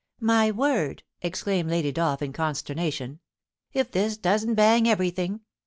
* My word !' exclaimed Lady Dolph in consternation, ^f this doesn't bang everything.